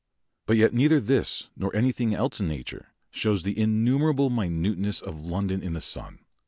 But yet neither this nor anything else in nature shows the innumerable minuteness of London in the sun.